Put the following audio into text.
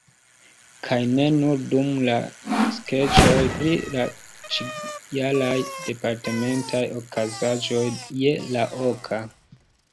Kaj ne nur dum la skeĉoj pri la ĉijaraj departementaj okazaĵoj je la oka.